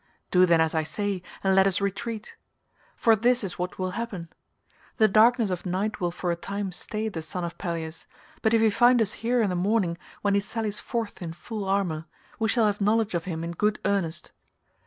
Do then as I say, and let us retreat. For this is what will happen. The darkness of night will for a time stay the son of Peleus, but if he find us here in the morning when he sallies forth in full armour, we shall have knowledge of him in good earnest.